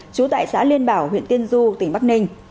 trú tại xã liên bảo huyện tiên du tỉnh bắc ninh